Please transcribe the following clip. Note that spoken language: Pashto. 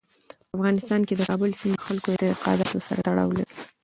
په افغانستان کې د کابل سیند د خلکو د اعتقاداتو سره تړاو لري.